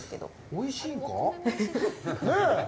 おいしいのか？